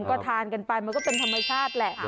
ก็ทานกันไปมันก็เป็นธรรมชาติแหละ